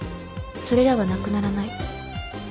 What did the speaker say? それらはなくならない。